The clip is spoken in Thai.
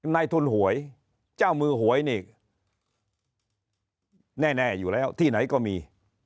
ในทุนหวยเจ้ามือหวยนี่แน่อยู่แล้วที่ไหนก็มี